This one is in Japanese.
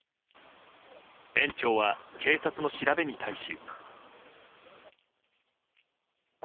園長は、警察の調べに対し。